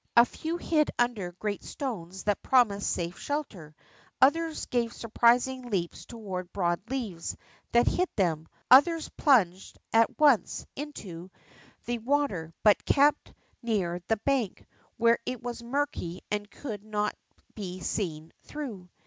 A few hid under great stones that promised safe shelter, others gave surprising leaps toward broad leaves that hid them, others plunged at once into the 28 TBE ROCK FROG water, but kept near the bank, where it was murky and could not be seen through.